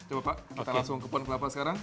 coba pak kita langsung ke porncorp sekarang